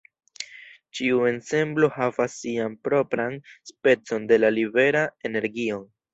Ĉiu ensemblo havas sian propran specon de la libera energion.